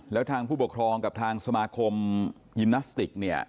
แล้วทางผู้ปกครองกับทางสมาคมยิมนาสติกเนี่ย